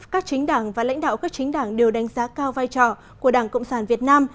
các chính đảng và lãnh đạo các chính đảng đều đánh giá cao vai trò của đảng cộng sản việt nam